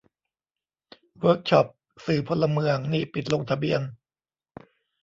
เวิร์กช็อป "สื่อพลเมือง" นี่ ปิดลงทะเบียน